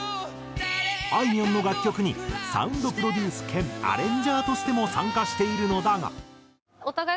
あいみょんの楽曲にサウンドプロデュース兼アレンジャーとしても参加しているのだが。